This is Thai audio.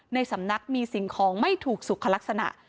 ในสำนักมีสิ่งของไม่ถูกสุขลักษณะ